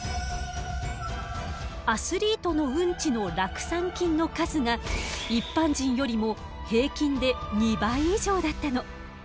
アスリートのウンチの酪酸菌の数が一般人よりも平均で２倍以上だったの。